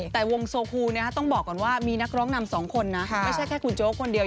แต่วงโซคูต้องบอกก่อนว่ามีนักร้องนำสองคนนะไม่ใช่แค่คุณโจ๊กคนเดียว